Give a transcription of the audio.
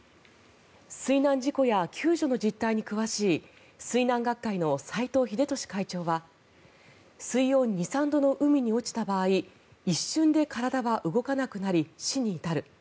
水難事故や救助の実態に詳しい水難学会の斎藤秀俊会長は水温２３度の海に落ちた場合一瞬で体は動かなくなり死に至る。